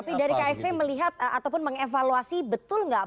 tapi dari ksp melihat ataupun mengevaluasi betul nggak